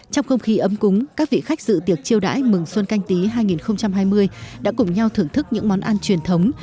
trong không khí ấm cúng các vị khách dự tiệc chiêu đãi mừng xuân canh tí hai nghìn hai mươi đã cùng nhau thưởng thức những món ăn truyền thống